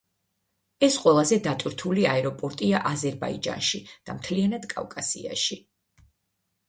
ეს ყველაზე დატვირთული აეროპორტია აზერბაიჯანში და მთლიანად კავკასიაში.